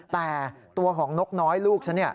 แต่ตัวของนกน้อยลูกฉัน